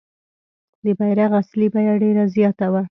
د بیرغ اصلي بیه ډېره زیاته وه.